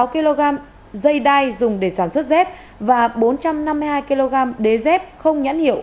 sáu kg dây đai dùng để sản xuất dép và bốn trăm năm mươi hai kg đế dép không nhãn hiệu